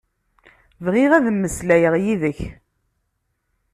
Bɣiɣ ad mmeslayeɣ yid-k.